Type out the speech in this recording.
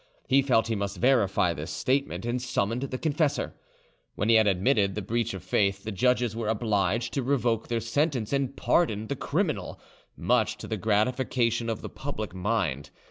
He felt he must verify this statement, and summoned the confessor. When he had admitted the breach of faith, the judges were obliged to revoke their sentence and pardon the criminal, much to the gratification of the public mind.